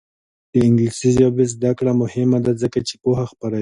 د انګلیسي ژبې زده کړه مهمه ده ځکه چې پوهه خپروي.